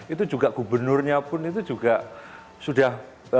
itu juga gubernurnya pun itu juga sudah